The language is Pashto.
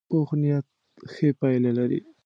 پوخ نیت ښې پایلې لري